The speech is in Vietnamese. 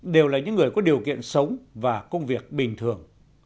đều là những người có điều kiện sống và công việc bình thường